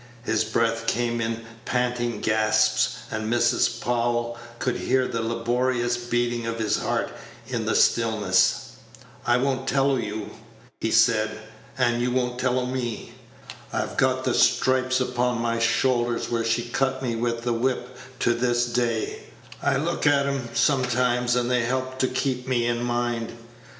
His breath came in panting gasps, and Mrs. Powell could hear the laborious beating of his heart in the stillness. "I won't tell o' you," he said, "and you won't tell o' me. I've got the stripes upon my shoulder where she cut me with the whip to this day; I look at 'm sometimes, and they help to keep me in mind.